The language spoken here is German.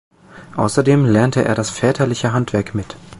Außerdem lernte er das väterliche Handwerk mit.